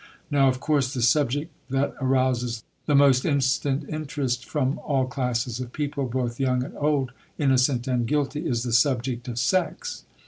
Now of course the subject that arouses the most instant interest from all classes of people, both young and old, innocent and guilty, is the subject of sex.